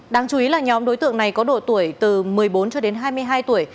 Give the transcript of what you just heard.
đáng chú ý là nhóm đối tượng này có độ tuổi từ một mươi bốn cho đến hai mươi hai tuổi